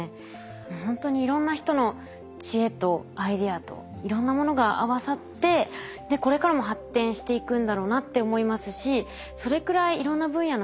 ほんとにいろんな人の知恵とアイデアといろんなものが合わさってこれからも発展していくんだろうなって思いますしそれくらいいろんな分野の人が取り組みたいジャンルなんでしょうね。